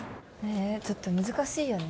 ちょっと難しいよね